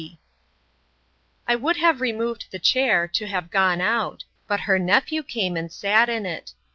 I would have removed the chair, to have gone out; but her nephew came and sat in it.